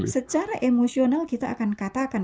secara emosional kita akan katakan